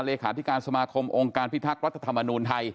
เลขาธิการสมาคมองค์การพิทักษ์รัฐธรรมนูลไทย